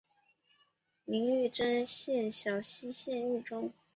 明玉珍省小溪县入州。